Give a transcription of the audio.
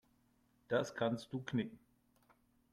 Das kannst du knicken.